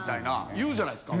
言うじゃないですか？